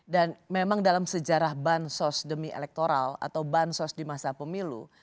dan memang dalam sejarah bansos demi elektoral atau bansos di masa pemilu